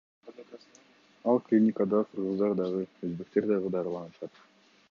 Ал клиникада кыргыздар дагы, өзбектер дагы дарыланышат.